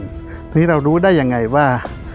ทีนี้เรารู้ได้ยังไงว่า